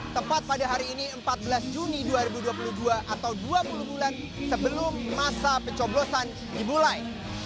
tepat pada hari ini empat belas juni dua ribu dua puluh dua atau dua puluh bulan sebelum masa pencoblosan dimulai